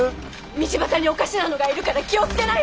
道端におかしなのがいるから気を付けなよ！